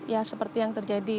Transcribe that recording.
ya seperti yang terjadi